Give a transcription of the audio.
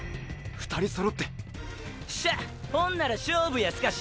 ２人揃ってっしゃあほんなら勝負やスカシ。